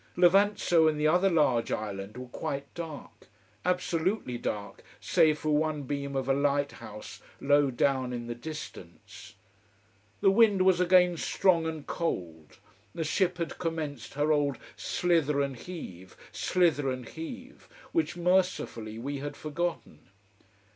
Levanzo and the other large island were quite dark: absolutely dark, save for one beam of a lighthouse low down in the distance. The wind was again strong and cold: the ship had commenced her old slither and heave, slither and heave, which mercifully we had forgotten.